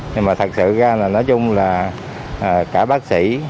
nhưng mà thật sự ra là nói chung là cả bác sĩ